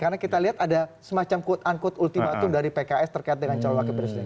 karena kita lihat ada semacam quote unquote ultimatum dari pks terkait dengan calon wakil presiden